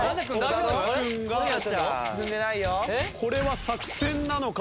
岡君がこれは作戦なのか？